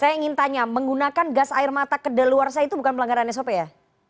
saya ingin tanya menggunakan gas air mata kedaluarsa itu bukan pelanggaran sop ya